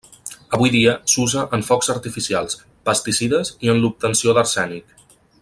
Avui dia s'usa en focs artificials, pesticides i en l'obtenció d'arsènic.